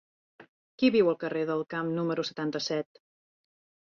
Qui viu al carrer del Camp número setanta-set?